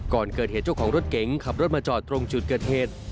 ก่อนเกิดเหตุเจ้าของรถเก๋งขับรถมาจอดตรงจุดเกิดเหตุ